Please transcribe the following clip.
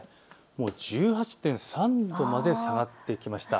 もう１８．３度まで下がってきました。